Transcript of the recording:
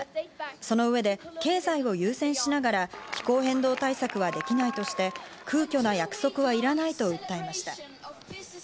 その上で経済を優先しながら気候変動対策はできないとして、空虚な約束はいらないと訴えました。